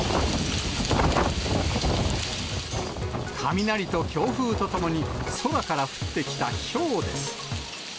雷と強風とともに、空から降ってきたひょうです。